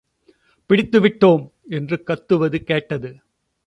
பிடித்துவிட்டோம்! என்று கத்துவது கேட்டது.